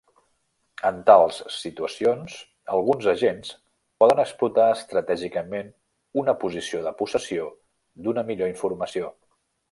En tals situacions, alguns agents poden explotar estratègicament una posició de possessió d'una millor informació.